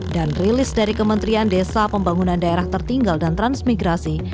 dan rilis dari kementerian desa pembangunan daerah tertinggal dan transmigrasi